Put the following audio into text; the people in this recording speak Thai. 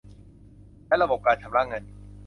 และระบบการชำระเงิน